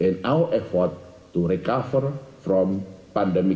dan kita berusaha untuk sembuh dari pandemi